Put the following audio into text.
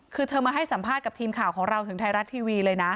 คือเธอมาให้สัมภาษณ์กับทีมข่าวของเราถึงไทยรัฐทีวีเลยนะ